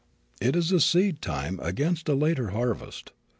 It is a seed time against a later harvest.